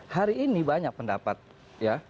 hari ini banyak pendapat ya